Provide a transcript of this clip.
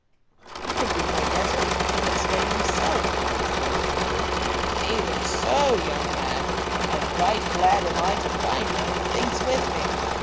"It would be no better than the King of Spain himself," exclaimed Humfrey. "Even so, young man, and right glad am I to find one who thinks with me.